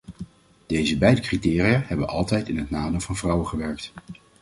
Deze beide criteria hebben altijd in het nadeel van vrouwen gewerkt.